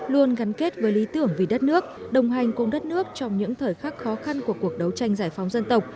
luôn gắn kết với lý tưởng vì đất nước đồng hành cùng đất nước trong những thời khắc khó khăn của cuộc đấu tranh giải phóng dân tộc